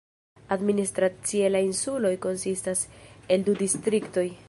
Administracie la insuloj konsistas el du distriktoj.